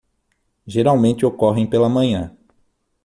Geralmente ocorrem pela manhã.